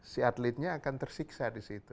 si atletnya akan tersiksa di situ